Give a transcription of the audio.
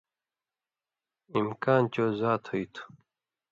اِمکان چو زات ہُوی تُھو۔